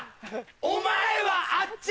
お前はあっち！